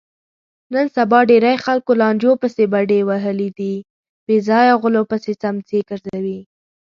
نن سبا ډېری خلکو لانجو پسې بډې وهلي دي، بېځایه غولو پسې څمڅې ګرځوي.